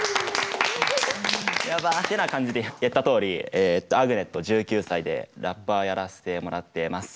ってな感じで言ったとおりアグネット１９歳でラッパーやらせてもらってます。